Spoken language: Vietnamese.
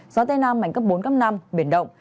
gió tây nam mảnh cấp bốn năm biển động